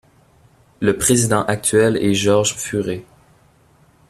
Le président actuel est George Furey.